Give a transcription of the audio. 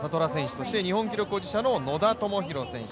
そして日本記録保持者の野田明宏選手。